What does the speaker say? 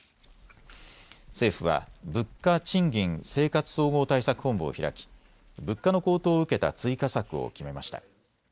政府は物価・賃金・生活総合対策本部を開き、物価の高騰を受けた追加策を決めました。